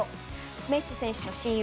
メッシ選手の親友